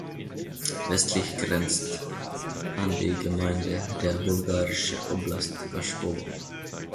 Westlich grenzt an die Gemeinde der bulgarische Oblast Chaskowo.